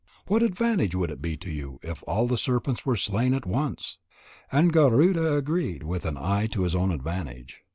What advantage would it be to you if all the serpents were slain at once?" And Garuda agreed, with an eye to his own advantage.